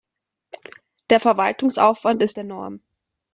Der Verwaltungsaufwand ist enorm.